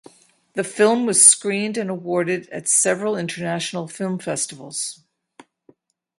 The film was screened and awarded at several international film festivals.